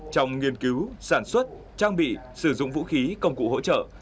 trong nghiên cứu sản xuất trang bị sử dụng vũ khí công cụ hỗ trợ